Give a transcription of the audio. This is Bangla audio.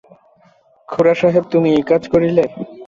খুড়াসাহেব, তুমি এই কাজ করিলে!